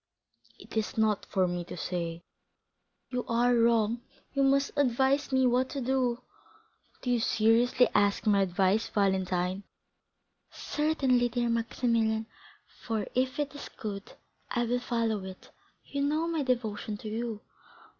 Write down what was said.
"It is not for me to say." "You are wrong; you must advise me what to do." "Do you seriously ask my advice, Valentine?" "Certainly, dear Maximilian, for if it is good, I will follow it; you know my devotion to you."